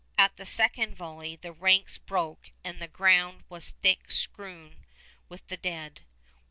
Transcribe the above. At the second volley the ranks broke and the ground was thick strewn with the dead.